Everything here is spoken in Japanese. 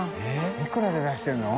─舛叩いくらで出してるの？